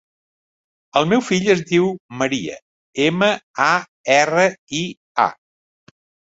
El meu fill es diu Maria: ema, a, erra, i, a.